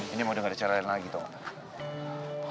ini emang udah gak ada cara lain lagi tau gak